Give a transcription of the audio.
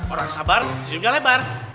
orang sabar senyumnya lebar